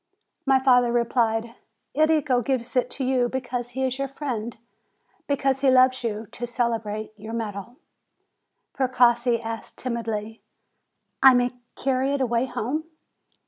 My father replied : "Enrico gives it to you because he is your friend, because he loves you to celebrate your medal." Precossi asked timidly : "I may carry it away home?"